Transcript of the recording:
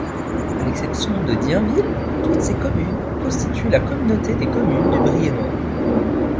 À l'exception de Dienville, toutes ces communes constituent la Communauté de communes du Briennois.